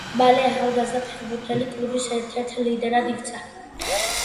მალე ახალგაზრდა ფეხბურთელი კლუბის ერთ-ერთ ლიდერად იქცა.